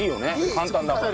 簡単だから。